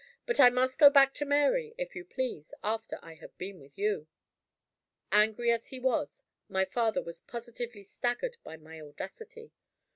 "But I must go back to Mary, if you please, after I have been with you." Angry as he was, my father was positively staggered by my audacity.